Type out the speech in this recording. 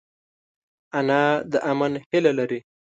انا د امن هیله لري